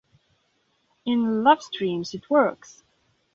In "Love Streams", it works.